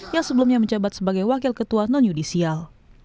yang sebelumnya menjabat sebagai wakil ketua non yudisial